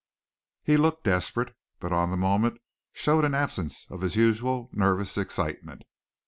He looked desperate, but on the moment showed an absence of his usual nervous excitement.